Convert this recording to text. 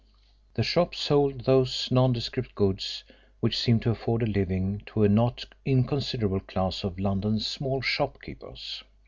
The shop sold those nondescript goods which seem to afford a living to a not inconsiderable class of London's small shopkeepers.